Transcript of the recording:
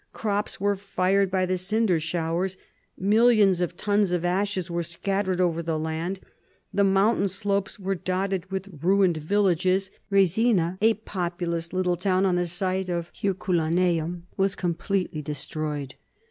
Crops were fired by the cinder showers. Millions of tons of ashes were scattered over the land. The mountain slope was dotted with ruined villages. Resina, a populous little town on the site of Herculaneum was completely destroyed.